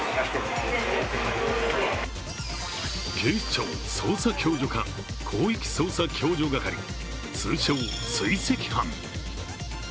警視庁捜査共助課広域捜査共助係、通称・追跡班。